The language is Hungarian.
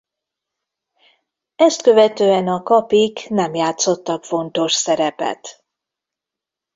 Ezt követően a Kapik nem játszottak fontos szerepet.